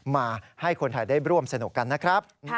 มาให้คนไทยได้ร่วมสนุกกันนะครับ